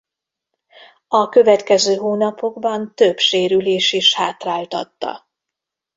A következő hónapokban több sérülés is hátráltatta.